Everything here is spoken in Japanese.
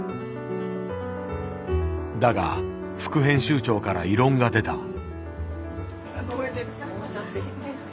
だが副編集長から異論が出た。